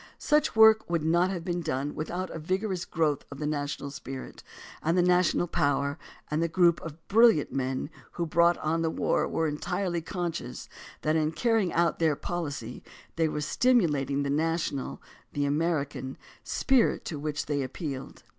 Such work could not have been done without a vigorous growth of the national spirit and of the national power, and the group of brilliant men who brought on the war were entirely conscious that in carrying out their policy they were stimulating the national — the Amer ican — spirit to which they appealed.